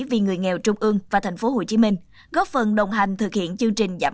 vì người nghèo trung ương và thành phố hồ chí minh góp phần đồng hành thực hiện chương trình giảm nghèo bình vững